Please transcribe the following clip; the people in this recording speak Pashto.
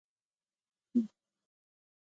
ډاکټر صاحب زه امیندواره یم.